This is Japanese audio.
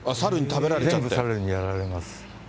全部サルにやられます。